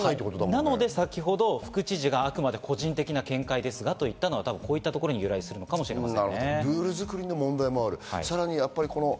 なので先ほど副知事が個人的な見解ですと言ったのは、こういうところに由来するかもしれません。